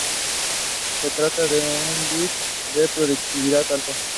Se trata de una vid de productividad alta.